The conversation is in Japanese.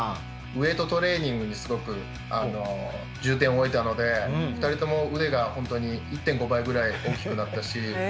ウエイトトレーニングにすごく重点を置いたので２人とも腕が本当に１．５倍ぐらい大きくなったし。